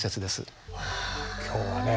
今日はね